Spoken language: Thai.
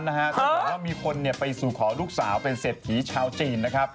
ก็บอกว่ามีคนไปสู่ขอลูกสาวเป็นเศรษฐีชาวจีนนะครับ